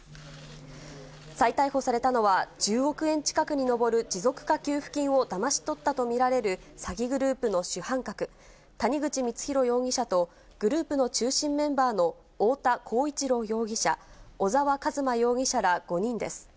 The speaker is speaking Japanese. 再逮捕されたのは、１０億円近くに上る持続化給付金をだまし取ったと見られる詐欺グループの主犯格、谷口光弘容疑者とグループの中心メンバーの太田浩一朗容疑者、小沢一真容疑者ら５人です。